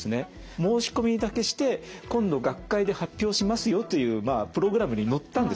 申し込みだけして今度学会で発表しますよというプログラムに載ったんですね。